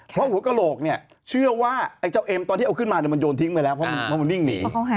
เพราะหัวกระโหลกเนี่ยเชื่อว่าไอ้เจ้าเอ็มตอนที่เอาขึ้นมามันโยนทิ้งไปแล้วเพราะมันนิ่งหนี